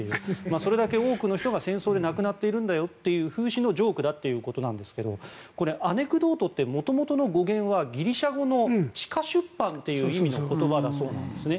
それだけ多くの人が戦争で亡くなっているんだよと風刺のジョークということですがアネクドートって元々の語源がギリシャ語の地下出版という意味の言葉だそうですね。